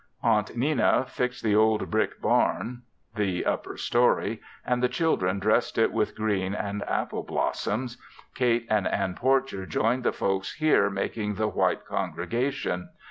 Aunt Nenna fixed the old brick barn (the upper story) and the children dressed it with green and apple blossoms. Kate and Anne Porcher joined the folks here making the white congregation.